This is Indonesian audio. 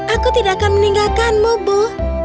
aku tidak akan meninggalkanmu bu